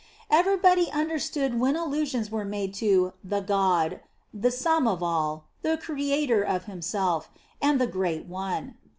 Everybody understood when allusion was made to "the God," the "Sum of All," the "Creator of Himself," and the "Great One."